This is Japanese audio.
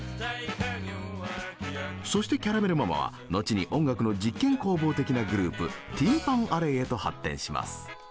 そしてキャラメル・ママは後に音楽の実験工房的なグループティン・パン・アレーへと発展します。